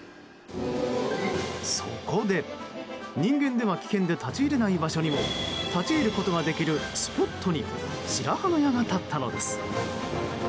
そこで、人間では危険で立ち入れない場所にも立ち入ることができるスポットに白羽の矢が立ったのです。